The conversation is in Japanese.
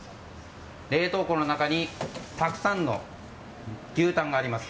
冷凍庫の中にたくさんの牛タンがあります。